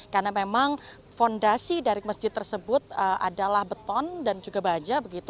karena memang fondasi dari masjid tersebut adalah beton dan juga baja